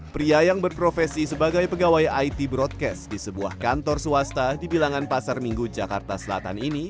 pria yang berprofesi sebagai pegawai it broadcast di sebuah kantor swasta di bilangan pasar minggu jakarta selatan ini